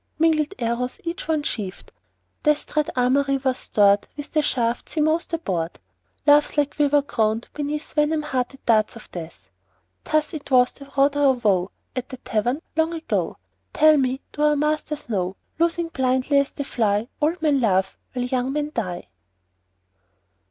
Mingled arrows each one sheaved; Death's dread armoury was stored With the shafts he most abhorred; Love's light quiver groaned beneath Venom headed darts of Death. Thus it was they wrought our woe At the Tavern long ago. Tell me, do our masters know, Loosing blindly as they fly, Old men love while young men die?